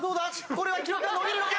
これは記録が伸びるのか？